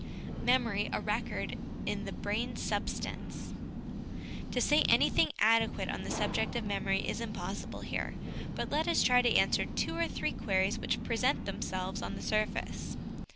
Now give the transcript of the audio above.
Memory a Record in the Brain Substance. To say anything adequate on the subject of memory is impossible here ; but let us try to answer two or three queries which present themselves on the surface.